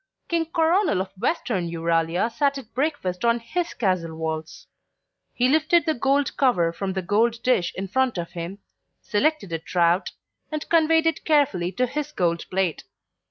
King Coronel of Western Euralia sat at breakfast on his castle walls. He lifted the gold cover from the gold dish in front of him, selected a trout, and conveyed it carefully to his gold plate.